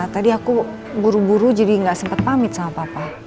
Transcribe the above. tadi aku buru buru jadi gak sempat pamit sama papa